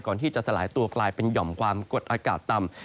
ที่จะสลายตัวกลายเป็นหย่อมความกดอากาศต่ำ